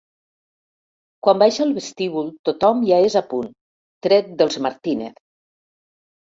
Quan baixa al vestíbul tothom ja és a punt, tret dels Martínez.